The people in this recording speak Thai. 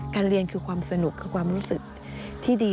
เรียนคือความสนุกคือความรู้สึกที่ดี